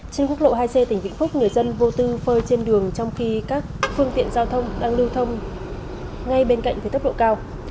trên quốc lộ hai c tỉnh vĩnh phúc người dân vô tư phơi trên đường trong khi các phương tiện giao thông đang lưu thông ngay bên cạnh với tốc độ cao